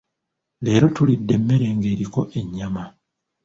Leero tulidde emmere ng’eriko ennyama.